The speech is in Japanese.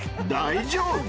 ［大丈夫？］